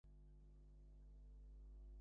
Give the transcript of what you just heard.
মনু মহারাজ যাহা বলিয়াছেন, তাহা ঠিক কথা।